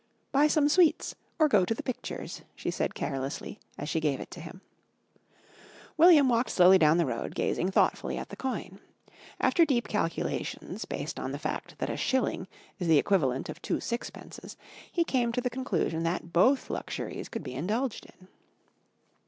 "Buy some sweets or go to the Pictures," she said carelessly, as she gave it to him. William walked slowly down the road, gazing thoughtfully at the coin. After deep calculations, based on the fact that a shilling is the equivalent of two sixpences, he came to the conclusion that both luxuries could be indulged in.